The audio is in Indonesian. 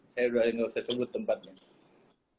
saya udah gak usah sebut tempat itu lagi